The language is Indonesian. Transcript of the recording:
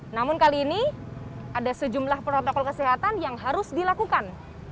namun kali ini ada sejumlah protokol kesehatan yang harus dilakukan